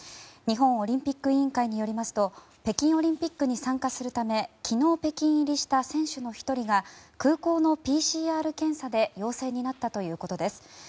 日本オリンピック委員会によりますと北京オリンピックに参加するため昨日、北京入りした選手の１人が空港のＰＣＲ検査で陽性になったということです。